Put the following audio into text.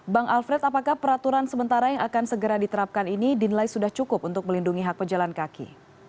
bang alfred apakah peraturan sementara yang akan segera diterapkan ini dinilai sudah cukup untuk melindungi hak pejalan kaki